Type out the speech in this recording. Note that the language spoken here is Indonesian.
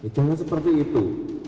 jangan seperti itu